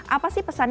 apa sih pesannya